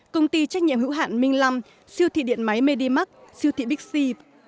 công ty trách nhiệm hữu hạn minh lâm siêu thị điện máy medimax siêu thị bixi